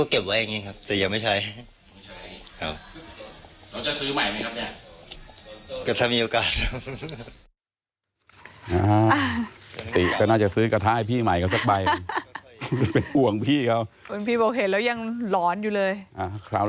ใช่ครับแต่เวลาจะใช้มันก็ต้องล้างใหม่ครับ